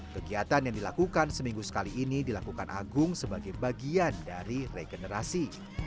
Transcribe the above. kegiatan yang dilakukan seminggu sekali ini dilakukan agung sebagai bagian dari regenerasi